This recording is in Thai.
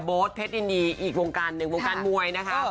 เพชรยินดีอีกวงการหนึ่งวงการมวยนะคะ